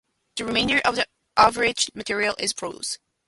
The remainder of the abridged material is prose.